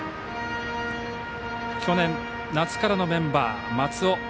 去年、夏からのメンバー、松尾。